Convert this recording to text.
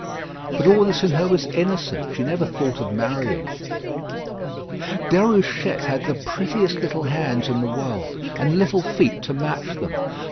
But all this in her was innocent. She never thought of marrying. Déruchette had the prettiest little hands in the world, and little feet to match them.